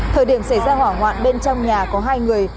thời điểm xảy ra hỏa hoạn bên trong nhà có hai người